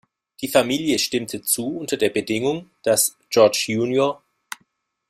Die Familie stimmte zu unter der Bedingung, dass George Jr.